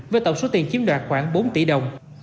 với tổng số tiền chiếm đoạt khoảng bốn tỷ đồng